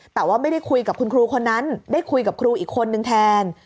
แต่ว่าไม่ได้คุยกับคุณครูคนนั้นได้คุยกับครูอีกคนนึงแทน